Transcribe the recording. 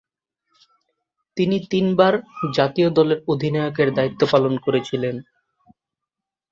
তিনি তিনবার জাতীয় দলের অধিনায়কের দায়িত্ব পালন করেছিলেন।